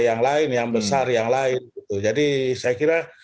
yang lain jadi saya kira